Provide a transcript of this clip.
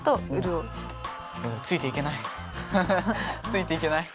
ついていけない。